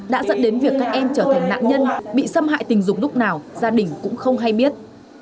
đã dẫn đến việc các em trở thành nạn nhân bị xâm hại tình dục lúc nào gia đình cũng không hay biết